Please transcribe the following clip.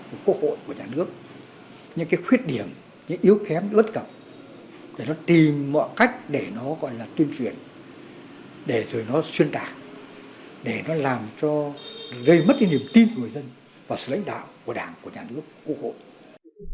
các quốc hội của nhà nước những cái khuyết điểm những cái yếu kém ướt cầm để nó tìm mọi cách để nó gọi là tuyên truyền để rồi nó xuyên tạc để nó làm cho gây mất cái niềm tin người dân và sự lãnh đạo của đảng của nhà nước của quốc hội